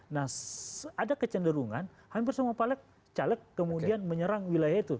nah ada kecenderungan hampir semua caleg kemudian menyerang wilayah itu